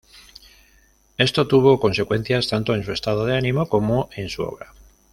Esto tuvo consecuencias tanto en su estado de ánimo como en su obra.